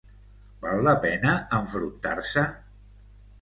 Val la pena enfrontar-se?